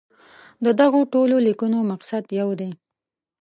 د دغو ټولو لیکنو مقصد یو دی.